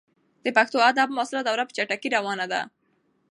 د پښتو ادب معاصره دوره په چټکۍ روانه ده.